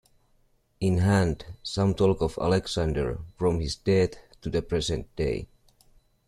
In hand - Some Talk of Alexander, from his death to the present day.